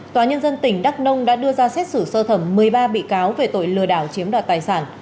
tòa nhân dân tỉnh đắk nông đã đưa ra xét xử sơ thẩm một mươi ba bị cáo về tội lừa đảo chiếm đoạt tài sản